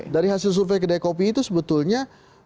dari hasil survei kedai kopi itu sebetulnya